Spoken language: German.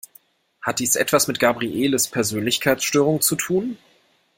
Hat dies etwas mit Gabrieles Persönlichkeitsstörung zu tun?